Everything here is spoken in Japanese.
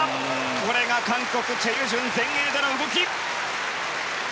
これが韓国、チェ・ユジュン前衛での動き！